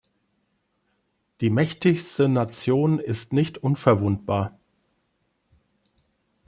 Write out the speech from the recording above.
Die mächtigste Nation ist nicht unverwundbar.